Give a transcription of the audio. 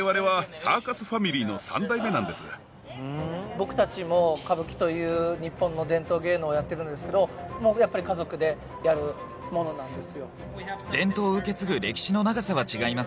僕たちも歌舞伎という日本の伝統芸能やってるんですけどやっぱり家族でやるものなんですよ。